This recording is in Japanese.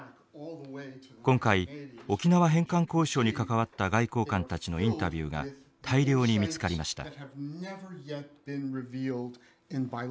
今回沖縄返還交渉に関わった外交官たちのインタビューが大量に見つかりました。